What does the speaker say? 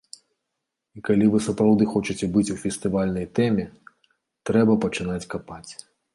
І калі вы сапраўды хочаце быць у фестывальнай тэме, трэба пачынаць капаць.